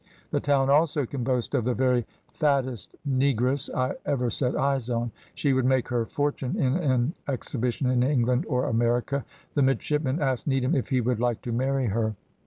The town also can boast of the very fattest negress I ever set eyes on; she would make her fortune in an exhibition in England or America. The midshipmen asked Needham if he would like to marry her.